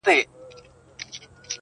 ماشومان له لوبو انرژي اخلي